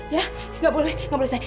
ya enggak boleh enggak boleh sayang